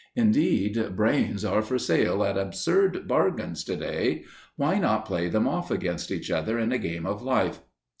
Indeed, brains are for sale at absurd bargains today. Why not play them off against each other in a game of Life?